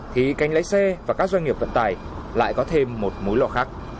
thì canh lấy xe và các doanh nghiệp vận tải lại có thêm một mối lọ khác